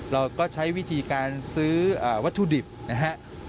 เราก็ใช้วิธีการซื้อวัตถุดิบนะฮะ